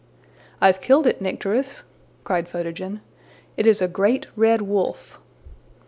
``I've killed it, Nycteris,'' cried Photogen. ``It is a great red wolf.''